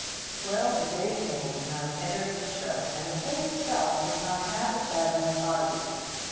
Well, the day came, and I was entered at the show, and the thing itself was not half as bad as I thought it would be.